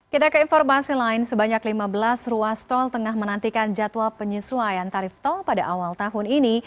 kita ke informasi lain sebanyak lima belas ruas tol tengah menantikan jadwal penyesuaian tarif tol pada awal tahun ini